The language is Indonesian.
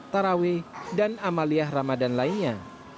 tarawih dan amaliyah ramadan lainnya